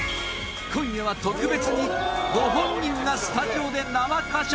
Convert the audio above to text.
今夜は特別にご本人がスタジオで生歌唱！